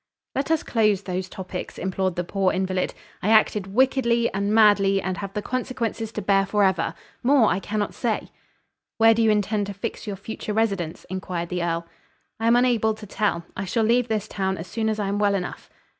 "Let us close those topics" implored the poor invalid. "I acted wickedly and madly, and have the consequences to bear forever. More I cannot say." "Where do you intend to fix your future residence?" inquired the earl. "I am unable to tell. I shall leave this town as soon as I am well enough."